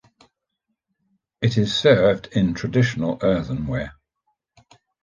It is served in traditional earthenware.